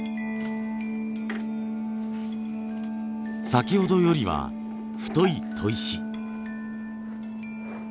先ほどよりは太い砥石。